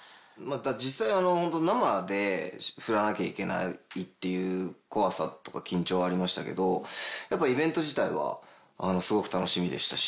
実際生で振らなきゃいけないっていう怖さとか緊張はありましたけどイベント自体はすごく楽しみでしたし。